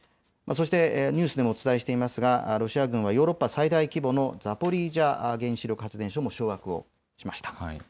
そしてニュースでもお伝えしていますがロシア軍はヨーロッパ最大規模のザポリージャ原子力発電所も掌握をしました。